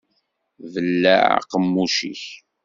Belleɛ aqemmuc-ik.